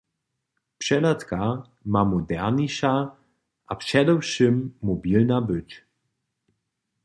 Přehladka ma moderniša a předewšěm mobilna być.